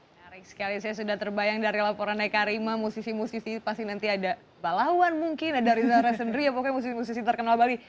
menarik sekali saya sudah terbayang dari laporan eka rima musisi musisi pasti nanti ada balauan mungkin dari zahra sendiri ya pokoknya musisi musisi terkenal bali